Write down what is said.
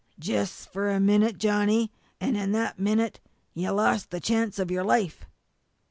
"Jus' for a minute, Johnny an' in that minute you lost the chance of your life!"